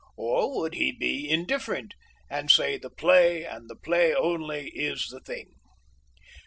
Or would he be indifferent, and say the play, and the play only, is the thing?